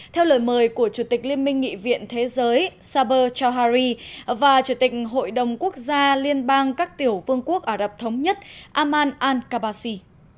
theo lời mời của chủ tịch liên minh nghị viện thế giới saber chohari và chủ tịch hội đồng quốc gia liên bang các tiểu vương quốc ả rập thống nhất amman al kabasi